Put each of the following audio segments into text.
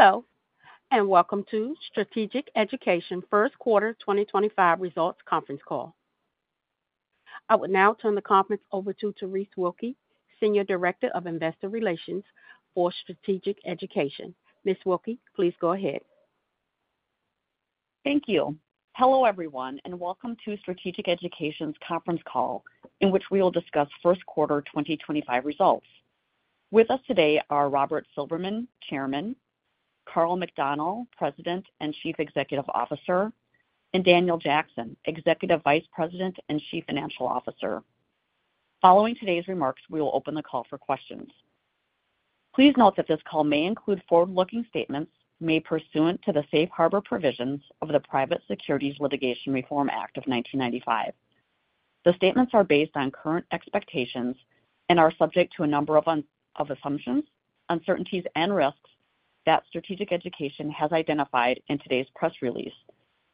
Hello, and welcome to Strategic Education First Quarter 2025 Results Conference Call. I will now turn the conference over to Terese Wilke, Senior Director of Investor Relations for Strategic Education. Ms. Wilke, please go ahead. Thank you. Hello, everyone, and welcome to Strategic Education's Conference Call, in which we will discuss First Quarter 2025 results. With us today are Robert Silberman, Chairman; Karl McDonnell, President and Chief Executive Officer; and Daniel Jackson, Executive Vice President and Chief Financial Officer. Following today's remarks, we will open the call for questions. Please note that this call may include forward-looking statements made pursuant to the Safe Harbor Provisions of the Private Securities Litigation Reform Act of 1995. The statements are based on current expectations and are subject to a number of assumptions, uncertainties, and risks that Strategic Education has identified in today's press release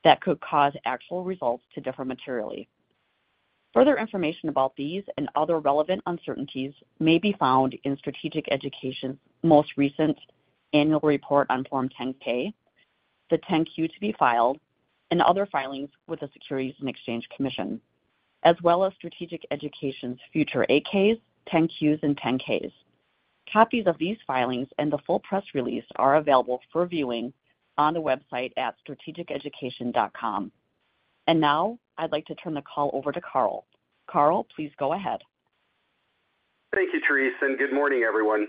that could cause actual results to differ materially. Further information about these and other relevant uncertainties may be found in Strategic Education's most recent annual report on Form 10-K, the 10-Q to be filed, and other filings with the Securities and Exchange Commission, as well as Strategic Education's future 8-Ks, 10-Qs, and 10-Ks. Copies of these filings and the full press release are available for viewing on the website at strategiceducation.com. I would like to turn the call over to Karl. Karl, please go ahead. Thank you, Terese, and good morning, everyone.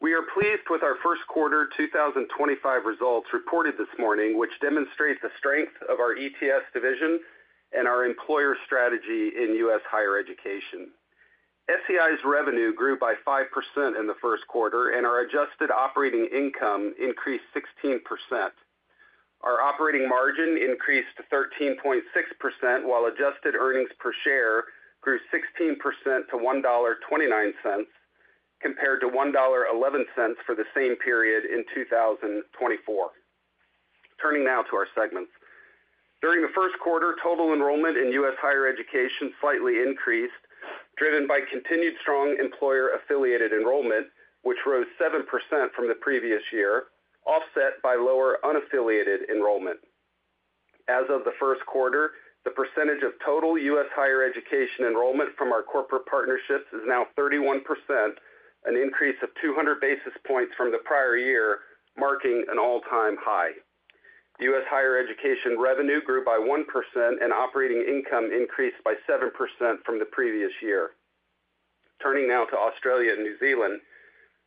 We are pleased with our First Quarter 2025 Results reported this morning, which demonstrate the strength of our ETS division and our employer strategy in U.S. higher education. SEI's revenue grew by 5% in the first quarter, and our adjusted operating income increased 16%. Our operating margin increased to 13.6%, while adjusted earnings per share grew 16% to $1.29, compared to $1.11 for the same period in 2024. Turning now to our segments. During the first quarter, total enrollment in U.S. higher education slightly increased, driven by continued strong employer-affiliated enrollment, which rose 7% from the previous year, offset by lower unaffiliated enrollment. As of the first quarter, the percentage of total U.S. Higher Education enrollment from our corporate partnerships is now 31%, an increase of 200 basis points from the prior year, marking an all-time high. U.S. Higher education revenue grew by 1%, and operating income increased by 7% from the previous year. Turning now to Australia and New Zealand,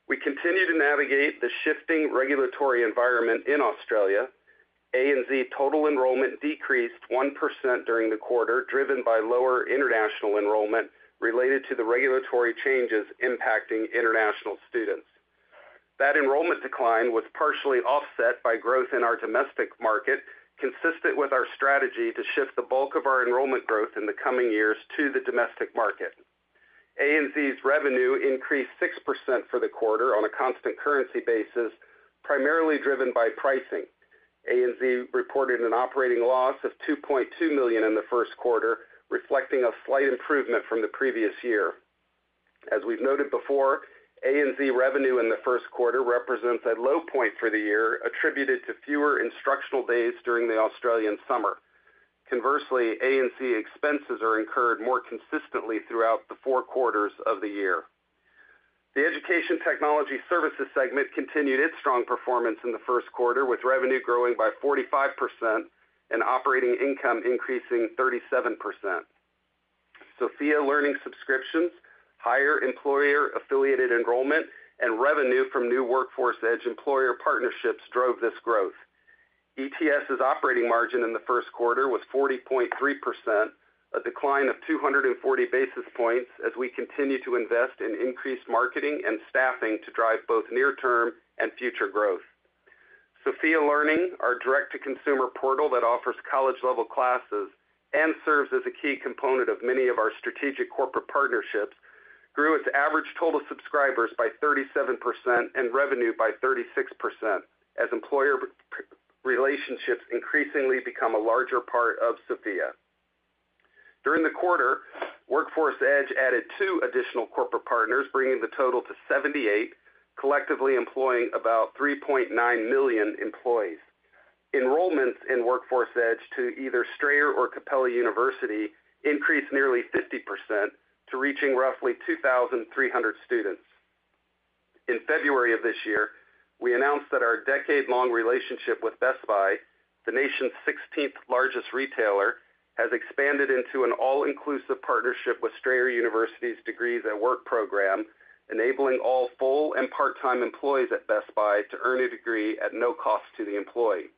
we continue to navigate the shifting regulatory environment in Australia. ANZ total enrollment decreased 1% during the quarter, driven by lower international enrollment related to the regulatory changes impacting international students. That enrollment decline was partially offset by growth in our domestic market, consistent with our strategy to shift the bulk of our enrollment growth in the coming years to the domestic market. ANZ's revenue increased 6% for the quarter on a constant currency basis, primarily driven by pricing. ANZ reported an operating loss of $2.2 million in the first quarter, reflecting a slight improvement from the previous year. As we've noted before, ANZ revenue in the first quarter represents a low point for the year, attributed to fewer instructional days during the Australian summer. Conversely, ANZ expenses are incurred more consistently throughout the four quarters of the year. The Education Technology Services segment continued its strong performance in the first quarter, with revenue growing by 45% and operating income increasing 37%. Sophia Learning subscriptions, higher employer-affiliated enrollment, and revenue from new Workforce Edge employer partnerships drove this growth. ETS's operating margin in the first quarter was 40.3%, a decline of 240 basis points as we continue to invest in increased marketing and staffing to drive both near-term and future growth. Sophia Learning, our direct-to-consumer portal that offers college-level classes and serves as a key component of many of our strategic corporate partnerships, grew its average total subscribers by 37% and revenue by 36%, as employer relationships increasingly become a larger part of Sophia. During the quarter, Workforce Edge added two additional corporate partners, bringing the total to 78, collectively employing about 3.9 million employees. Enrollments in Workforce Edge to either Strayer or Capella University increased nearly 50%, reaching roughly 2,300 students. In February of this year, we announced that our decade-long relationship with Best Buy, the nation's 16th largest retailer, has expanded into an all-inclusive partnership with Strayer University's Degrees at Work program, enabling all full and part-time employees at Best Buy to earn a degree at no cost to the employee.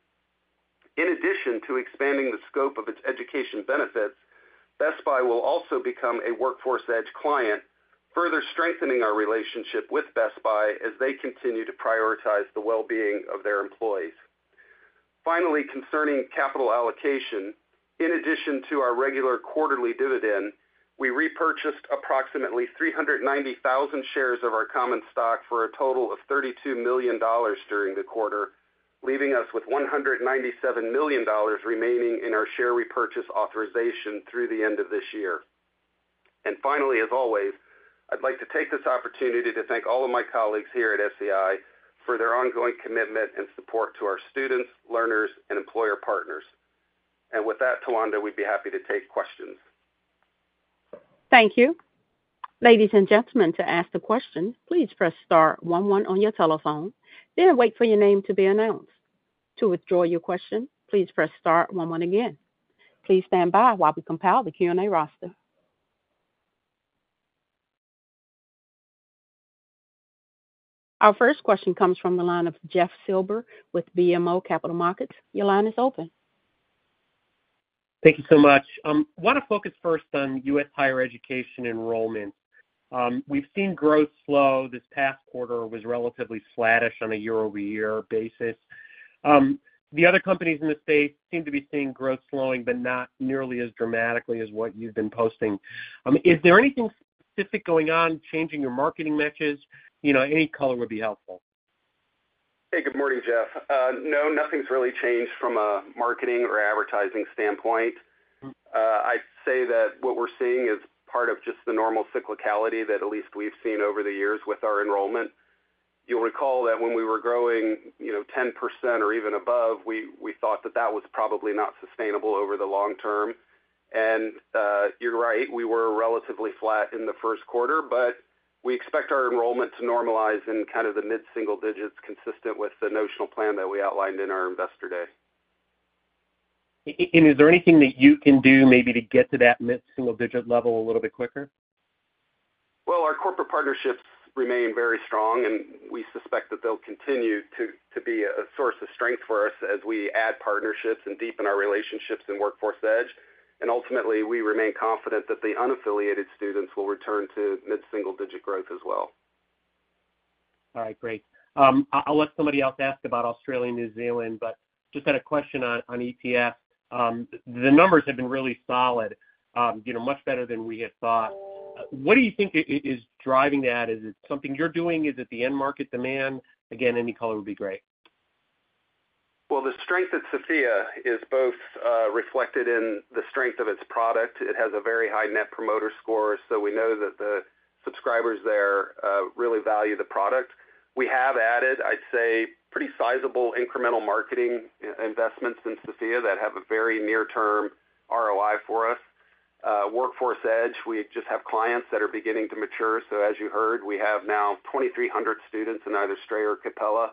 In addition to expanding the scope of its education benefits, Best Buy will also become a Workforce Edge client, further strengthening our relationship with Best Buy as they continue to prioritize the well-being of their employees. Finally, concerning capital allocation, in addition to our regular quarterly dividend, we repurchased approximately 390,000 shares of our common stock for a total of $32 million during the quarter, leaving us with $197 million remaining in our share repurchase authorization through the end of this year. Finally, as always, I'd like to take this opportunity to thank all of my colleagues here at SEI for their ongoing commitment and support to our students, learners, and employer partners. With that, Tawanda, we'd be happy to take questions. Thank you. Ladies and gentlemen, to ask a question, please press star one one on your telephone, then wait for your name to be announced. To withdraw your question, please press star one one again. Please stand by while we compile the Q&A roster. Our first question comes from the line of Jeff Silber with BMO Capital Markets. Your line is open. Thank you so much. I want to focus first on U.S. higher education enrollment. We've seen growth slow. This past quarter was relatively flattish on a year-over-year basis. The other companies in the space seem to be seeing growth slowing, but not nearly as dramatically as what you've been posting. Is there anything specific going on changing your marketing matches? Any color would be helpful. Hey, good morning, Jeff. No, nothing's really changed from a marketing or advertising standpoint. I'd say that what we're seeing is part of just the normal cyclicality that at least we've seen over the years with our enrollment. You'll recall that when we were growing 10% or even above, we thought that that was probably not sustainable over the long term. You're right, we were relatively flat in the first quarter, but we expect our enrollment to normalize in kind of the mid-single digits, consistent with the notional plan that we outlined in our investor day. Is there anything that you can do maybe to get to that mid-single digit level a little bit quicker? Our corporate partnerships remain very strong, and we suspect that they'll continue to be a source of strength for us as we add partnerships and deepen our relationships in Workforce Edge. Ultimately, we remain confident that the unaffiliated students will return to mid-single digit growth as well. All right, great. I'll let somebody else ask about Australia and New Zealand, but just had a question on ETS. The numbers have been really solid, much better than we had thought. What do you think is driving that? Is it something you're doing? Is it the end market demand? Again, any color would be great. The strength at Sophia is both reflected in the strength of its product. It has a very high Net Promoter Score, so we know that the subscribers there really value the product. We have added, I'd say, pretty sizable incremental marketing investments in Sophia that have a very near-term ROI for us. Workforce Edge, we just have clients that are beginning to mature. As you heard, we have now 2,300 students in either Strayer or Capella.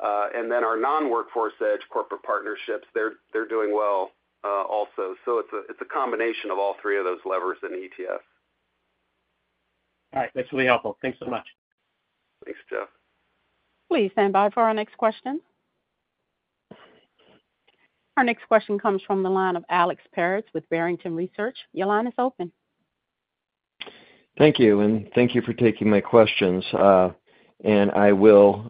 Our non-Workforce Edge corporate partnerships, they're doing well also. It is a combination of all three of those levers in ETS. All right, that's really helpful. Thanks so much. Thanks, Jeff. Please stand by for our next question. Our next question comes from the line of Alex Paris with Barrington Research. Your line is open. Thank you, and thank you for taking my questions. I will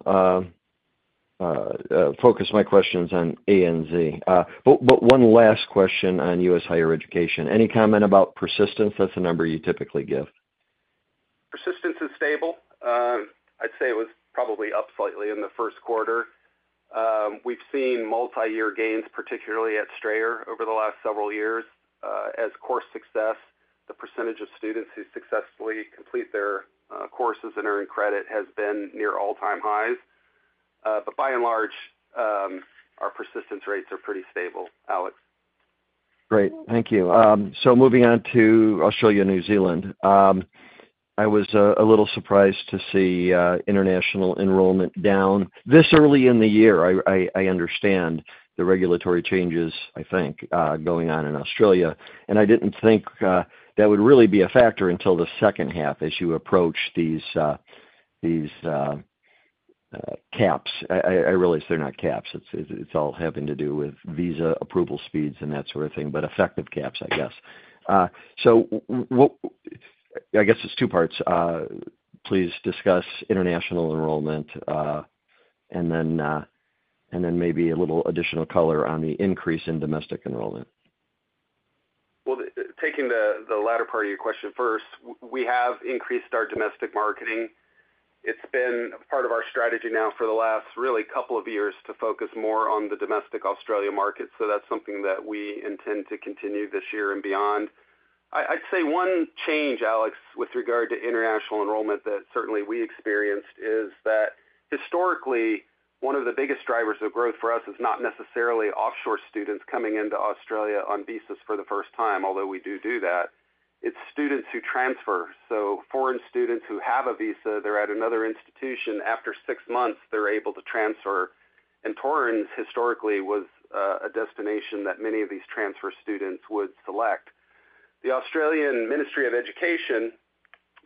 focus my questions on ANZ. One last question on U.S. higher education. Any comment about persistence? That's a number you typically give. Persistence is stable. I'd say it was probably up slightly in the first quarter. We've seen multi-year gains, particularly at Strayer, over the last several years. As course success, the percentage of students who successfully complete their courses and earn credit has been near all-time highs. By and large, our persistence rates are pretty stable, Alex. Great. Thank you. Moving on to Australia and New Zealand, I was a little surprised to see international enrollment down this early in the year. I understand the regulatory changes, I think, going on in Australia. I did not think that would really be a factor until the second half as you approach these caps. I realize they are not caps. It is all having to do with visa approval speeds and that sort of thing, but effective caps, I guess. I guess it is two parts. Please discuss international enrollment, and then maybe a little additional color on the increase in domestic enrollment. Taking the latter part of your question first, we have increased our domestic marketing. It's been part of our strategy now for the last really couple of years to focus more on the domestic Australia market. That's something that we intend to continue this year and beyond. I'd say one change, Alex, with regard to international enrollment that certainly we experienced is that historically, one of the biggest drivers of growth for us is not necessarily offshore students coming into Australia on visas for the first time, although we do do that. It's students who transfer. So foreign students who have a visa, they're at another institution. After six months, they're able to transfer. And Torrens, historically, was a destination that many of these transfer students would select. The Australian Ministry of Education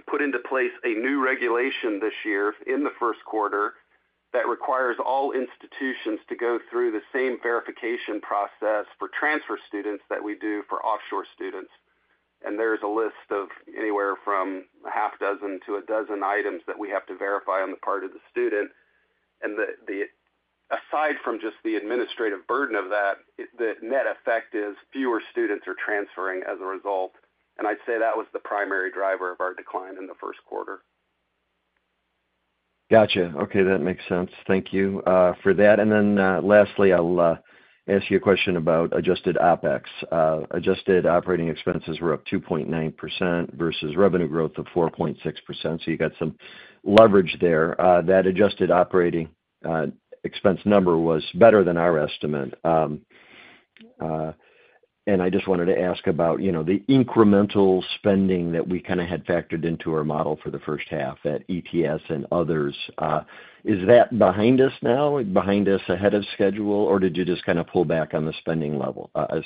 put into place a new regulation this year in the first quarter that requires all institutions to go through the same verification process for transfer students that we do for offshore students. There is a list of anywhere from a half dozen to a dozen items that we have to verify on the part of the student. Aside from just the administrative burden of that, the net effect is fewer students are transferring as a result. I'd say that was the primary driver of our decline in the first quarter. Gotcha. Okay, that makes sense. Thank you for that. Lastly, I'll ask you a question about adjusted OPEX. Adjusted operating expenses were up 2.9% versus revenue growth of 4.6%. You got some leverage there. That adjusted operating expense number was better than our estimate. I just wanted to ask about the incremental spending that we kind of had factored into our model for the first half at ETS and others. Is that behind us now, behind us ahead of schedule, or did you just kind of pull back on the spending level? Hey,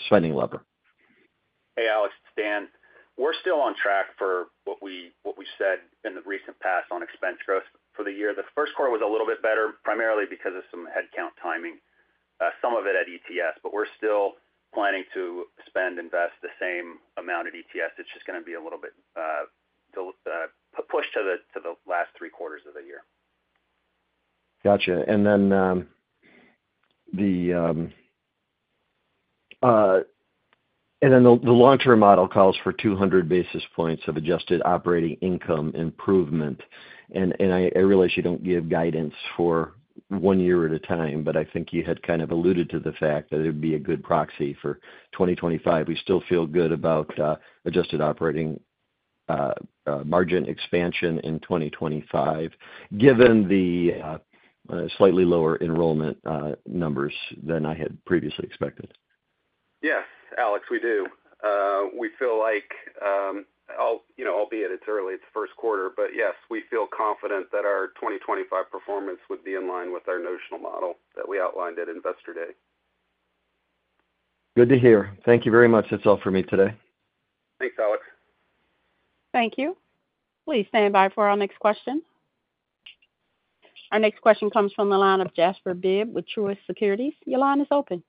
Alex, Dan, we're still on track for what we said in the recent past on expense growth for the year. The first quarter was a little bit better, primarily because of some headcount timing, some of it at ETS, but we're still planning to spend, invest the same amount at ETS. It's just going to be a little bit pushed to the last three quarters of the year. Gotcha. The long-term model calls for 200 basis points of adjusted operating income improvement. I realize you do not give guidance for one year at a time, but I think you had kind of alluded to the fact that it would be a good proxy for 2025. We still feel good about adjusted operating margin expansion in 2025, given the slightly lower enrollment numbers than I had previously expected. Yes, Alex, we do. We feel like, albeit it's early, it's the first quarter, but yes, we feel confident that our 2025 performance would be in line with our notional model that we outlined at investor day. Good to hear. Thank you very much. That's all for me today. Thanks, Alex. Thank you. Please stand by for our next question. Our next question comes from the line of Jasper Bibb with Truist Securities. Your line is open.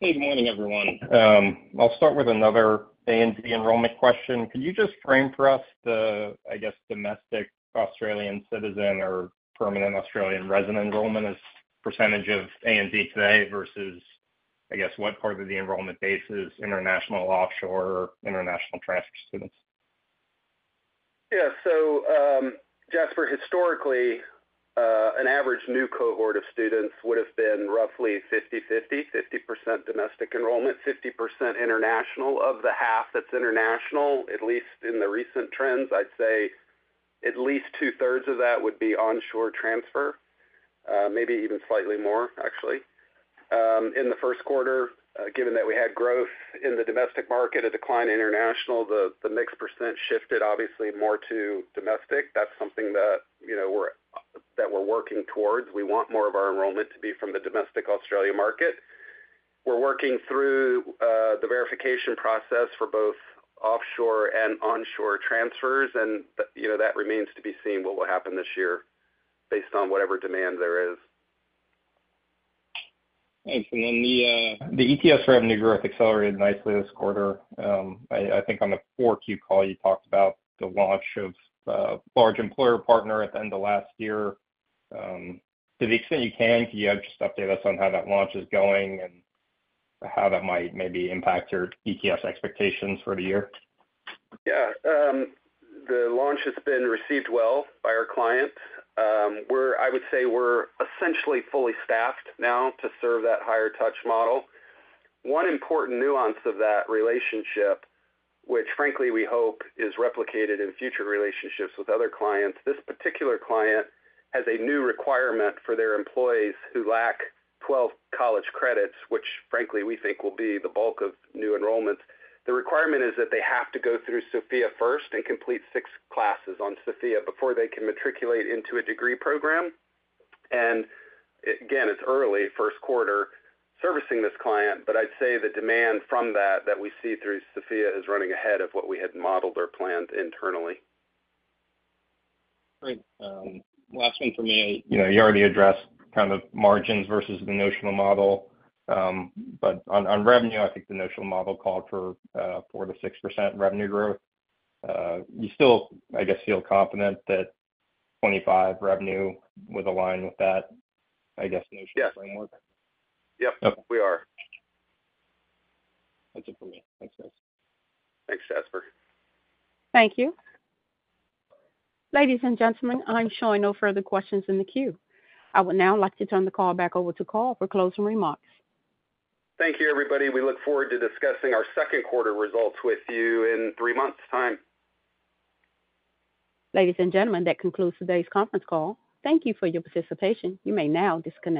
Hey, good morning, everyone. I'll start with another ANZ enrollment question. Could you just frame for us the, I guess, domestic Australian citizen or permanent Australian resident enrollment as percentage of ANZ today versus, I guess, what part of the enrollment base is international offshore or international transfer students? Yeah, so Jasper, historically, an average new cohort of students would have been roughly 50-50, 50% domestic enrollment, 50% international. Of the half that's international, at least in the recent trends, I'd say at least two-thirds of that would be onshore transfer, maybe even slightly more, actually. In the first quarter, given that we had growth in the domestic market, a decline in international, the mixed percent shifted obviously more to domestic. That's something that we're working towards. We want more of our enrollment to be from the domestic Australia market. We're working through the verification process for both offshore and onshore transfers, and that remains to be seen what will happen this year based on whatever demand there is. The ETS revenue growth accelerated nicely this quarter. I think on the Q4 call, you talked about the launch of a large employer partner at the end of last year. To the extent you can, can you just update us on how that launch is going and how that might maybe impact your ETS expectations for the year? Yeah, the launch has been received well by our client. I would say we're essentially fully staffed now to serve that higher touch model. One important nuance of that relationship, which frankly we hope is replicated in future relationships with other clients, this particular client has a new requirement for their employees who lack 12 college credits, which frankly we think will be the bulk of new enrollment. The requirement is that they have to go through Sophia first and complete six classes on Sophia before they can matriculate into a degree program. Again, it's early first quarter servicing this client, but I'd say the demand from that that we see through Sophia is running ahead of what we had modeled or planned internally. Great. Last one for me. You already addressed kind of margins versus the notional model. On revenue, I think the notional model called for 4-6% revenue growth. You still, I guess, feel confident that 2025 revenue would align with that, I guess, notional framework? Yep, we are. That's it for me. Thanks, guys. Thanks, Jasper. Thank you. Ladies and gentlemen, I'm showing no further questions in the queue. I would now like to turn the call back over to Karl for closing remarks. Thank you, everybody. We look forward to discussing our Second Quarter Results with you in three months' time. Ladies and gentlemen, that concludes today's conference call. Thank you for your participation. You may now disconnect.